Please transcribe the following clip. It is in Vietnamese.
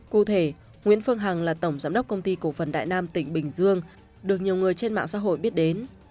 cụ thể nguyễn phương hằng là tổng giám đốc công ty cổ phần đại nam tỉnh bình dương được nhiều người trên mạng xã hội biết đến